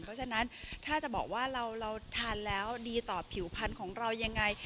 เพราะฉะนั้นถ้าจะบอกว่าเราทานแล้วดีต่อผิวพันธุ์ของเรายังไง